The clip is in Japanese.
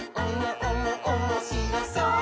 おもしろそう！」